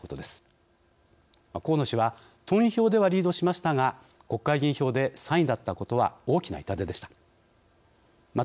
河野氏は党員票ではリードしましたが国会議員票で３位だったことは大きな痛手でした。